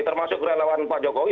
termasuk relawan pak jokowi